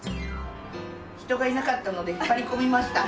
人がいなかったので引っ張り込みました。